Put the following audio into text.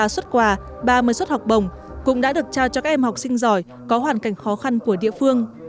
hai mươi ba suất quà ba mươi suất học bổng cũng đã được trao cho các em học sinh giỏi có hoàn cảnh khó khăn của địa phương